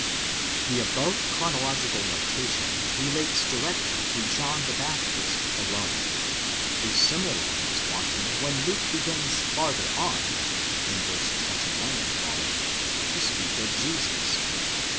° The above chronological notation relates directly to John the Baptist alone; a similar one is wanting when Luke begins farther on (v. 21 ff.) to speak of Jesus.